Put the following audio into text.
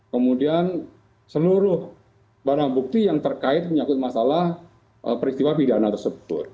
kemudian seluruh barang bukti yang terkait menyakut masalah peristiwa pidana tersebut